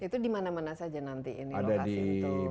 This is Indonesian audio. itu dimana mana saja nanti ini lokasi untuk